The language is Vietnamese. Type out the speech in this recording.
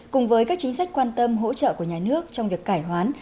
cùng với các chính sách quan tâm hỗ trợ của nhà nước trong việc cải hoán